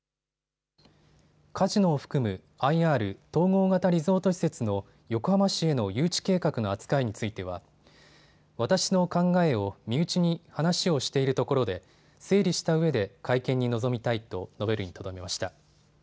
カジノを含むＩＲ・統合型リゾート施設の横浜市への誘致計画の扱いについては私の考えを身内に話をしているところで整理したうえで会見に臨みたいと述べるにとどめました。